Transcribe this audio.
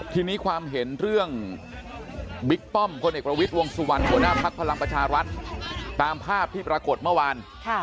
ทีนี้ความเห็นเรื่องบิ๊กป้อมพลเอกประวิทย์วงสุวรรณหัวหน้าภักดิ์พลังประชารัฐตามภาพที่ปรากฏเมื่อวาน